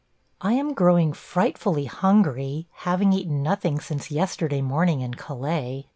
... I am growing frightfully hungry, having eaten nothing since yesterday morning in Calais.